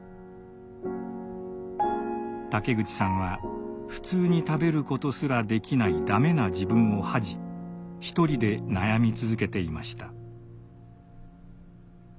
竹口さんは「普通に食べることすらできないダメな自分」を恥じ１人で悩み続けていました。